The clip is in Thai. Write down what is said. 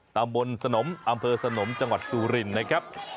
ตำบลสนมอำเภอสนมจังหวัดสุรินนะครับ